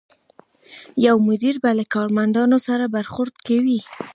یو مدیر به له کارمندانو سره برخورد کوي.